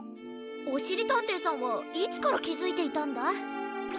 おしりたんていさんはいつからきづいていたんだ？